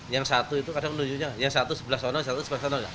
yang satu itu kadang menujunya yang satu sebelah sana satu sebelah sana